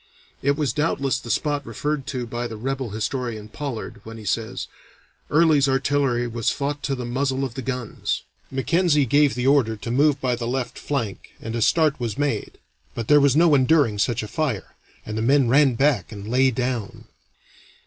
It was doubtless the spot referred to by the rebel historian, Pollard, when he says, 'Early's artillery was fought to the muzzle of the guns.' Mackenzie gave the order to move by the left flank and a start was made, but there was no enduring such a fire, and the men ran back and lay down.